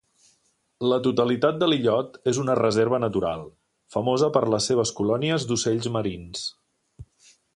La totalitat de l'illot és una reserva natural, famosa per les seves colònies d'ocells marins.